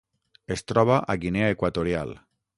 Es troba a Guinea Equatorial.